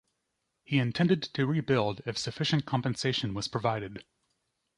He intended to rebuild if sufficient compensation was provided.